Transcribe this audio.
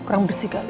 kurang bersih kali